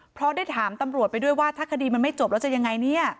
เพราะได้ถามตำรวจไปด้วยว่าถ้าคดีมันไม่จบแล้วจะยังไงเนี่ย